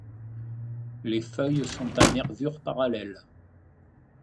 Les feuilles sont à nervures parallèles.